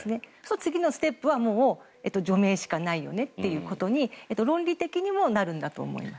次のステップはもう除名しかないよねということに論理的にもなるんだと思います。